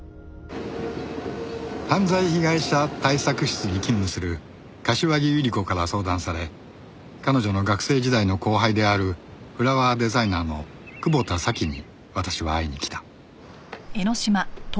犯罪被害者対策室に勤務する柏木百合子から相談され彼女の学生時代の後輩であるフラワーデザイナーの窪田沙希に私は会いにきた